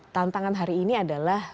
tantangan hari ini adalah